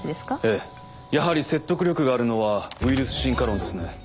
ええやはり説得力があるのはウイルス進化論ですね。